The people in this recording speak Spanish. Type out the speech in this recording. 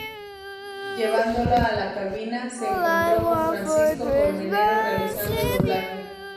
Llevándolo a la cabina, se encontró con Francisco Colmenero realizando doblaje.